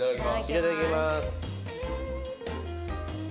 いただきます。